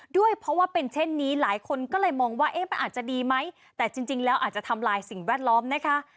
ด้วยเพราะว่าเป็นเช่นนี้หลายคนก็เลยมองว่ามันอาจจะดีไหมแต่จริงแล้วอาจจะทำลายสิ่งแวดล้อมนะคะ